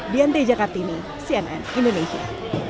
dianthe jakartini cnn indonesia